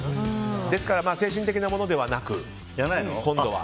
ですから精神的なものではなく今度は。